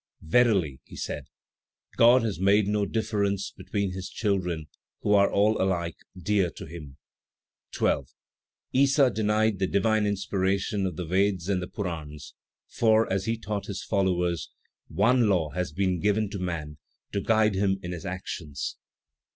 "Verily," he said, "God has made no difference between his children, who are all alike dear to Him." 12. Issa denied the divine inspiration of the Vedas and the Puranas, for, as he taught his followers, "One law has been given to man to guide him in his actions: 13.